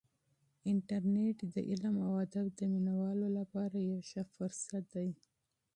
انټرنیټ د علم او ادب د مینه والو لپاره یو ښه فرصت دی.